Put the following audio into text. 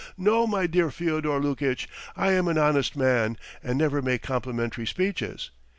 No, my dear Fyodor Lukitch, I am an honest man and never make complimentary speeches.